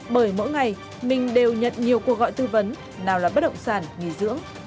bởi mỗi ngày mình đều nhận nhiều cuộc gọi tư vấn nào là bất động sản nghỉ dưỡng